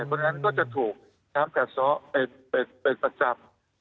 เพราะฉะนั้นก็จะถูกน้ำกัดซ้อเป็นประจำ